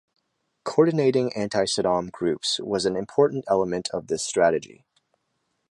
Coordinating anti-Saddam groups was an important element of this strategy.